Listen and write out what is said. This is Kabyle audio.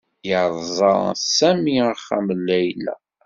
Yerẓa Sami axxam n Layla.